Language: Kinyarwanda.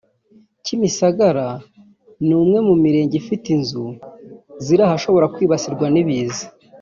Kimisagara ni umwe mu mirenge ifite inzu ziri ahashobora kwibasirwa n’ibiza